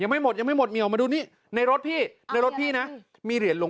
หมดแล้วพี่เบิร์ตจะเอาอีกหรอ